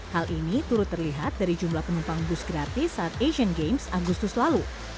hal ini turut terlihat dari jumlah penumpang bus gratis saat asian games agustus lalu